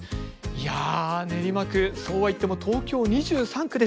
いや練馬区そうはいっても東京２３区です。